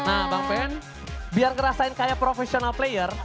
nah bang pen biar ngerasain kayak professional player